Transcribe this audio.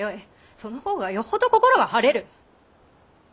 その方がよほど心が晴れる！